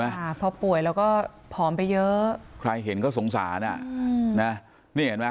ค่ะพอป่วยแล้วก็ผอมไปเยอะใครเห็นก็สงสารอ่ะอืมนะนี่เห็นไหม